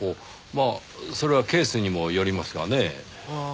まあそれはケースにもよりますがねぇ。